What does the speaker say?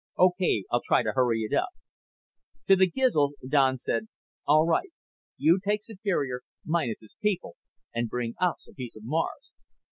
"Okay, I'll try to hurry it up." To the Gizls Don said, "All right. You take Superior, minus its people, and bring us a piece of Mars."